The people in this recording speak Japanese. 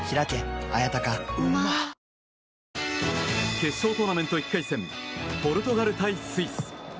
決勝トーナメント１回戦ポルトガル対スイス。